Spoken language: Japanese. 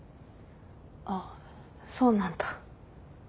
あっそうなんだ。